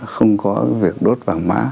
không có việc đốt vàng mã